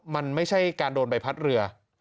มันไม่ใช่การโดนใบพัดเรือ